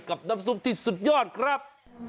น้ำซุปที่สุดยอดครับ